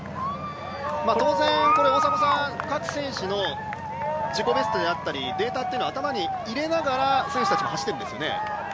当然、各選手の自己ベストであったりデータというのは頭に入れながら選手たちも走ってるんですよね。